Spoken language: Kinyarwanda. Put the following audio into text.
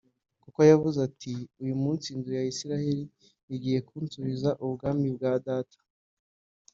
kuko yavuze ati uyu munsi inzu ya Isirayeli igiye kunsubiza ubwami bwa data